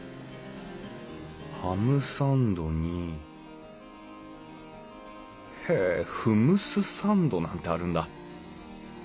ハムサンドにへえフムスサンドなんてあるんだ。